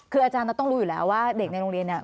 คืออาจารย์ต้องรู้อยู่แล้วว่าเด็กในโรงเรียนเนี่ย